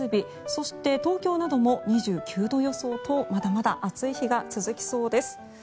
そして、東京なども２９度予想とまだまだ暑い日が続きそうです。